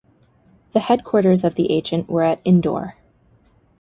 The headquarters of the agent were at Indore.